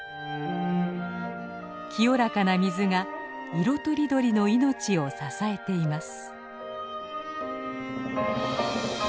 清らかな水が色とりどりの命を支えています。